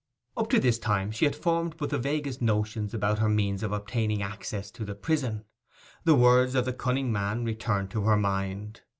Up to this time she had formed but the vaguest notions about her means of obtaining access to the prison. The words of the cunning man returned to her mind.